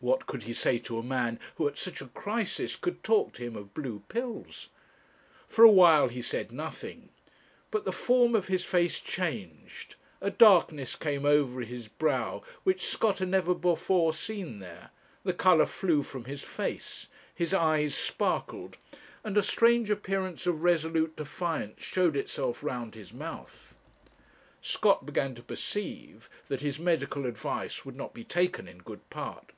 What could he say to a man who at such a crisis could talk to him of blue pills? For a while he said nothing; but the form of his face changed, a darkness came over his brow which Scott had never before seen there, the colour flew from his face, his eyes sparkled, and a strange appearance of resolute defiance showed itself round his mouth. Scott began to perceive that his medical advice would not be taken in good part.